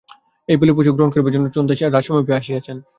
এই বলির পশু গ্রহণ করিবার জন্য চোন্তাই রাজসমীপে আসিয়াছেন।